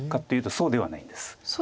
そうではないんですか。